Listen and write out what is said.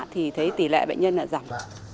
thì thấy tỷ lệ bệnh nhân là giảm